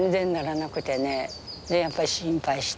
でやっぱり心配して。